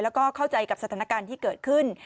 แล้วก็เข้าใจกับสถานการณ์ที่เกิดขึ้น